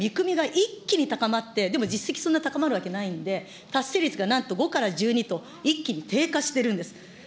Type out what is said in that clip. そうしたら見込みが一気に高まって、でも実績、そんな高まるわけないんで、達成率がなんと５から１２と、一気に低下してるんです。